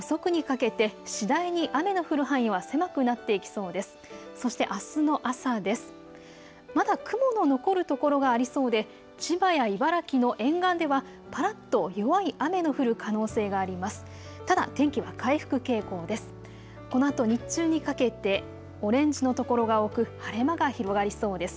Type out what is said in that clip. まだ雲の残るところがありそうで千葉や茨城の沿岸ではぱらっと弱い雨が降る可能性があります。